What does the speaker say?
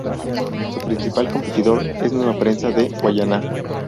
Su principal competidor es Nueva Prensa de Guayana.